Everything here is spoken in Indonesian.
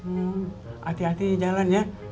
hati hati jalan ya